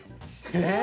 えっ？